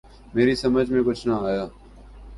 میری سمجھ میں کچھ نہ آیا